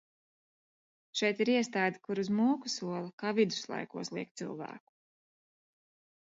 Šeit ir iestāde kur uz moku sola, kā viduslaikos liek cilvēku.